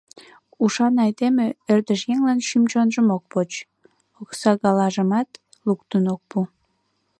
— Ушан айдеме ӧрдыжъеҥлан шӱм-чонжым ок поч, оксагалтажымат луктын ок пу.